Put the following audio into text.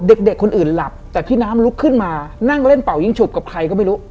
เด็กคนอื่นหลับแต่พี่น้ำลุกขึ้นมานั่งเล่นเป่ายิงฉุบกับใครก็ไม่รู้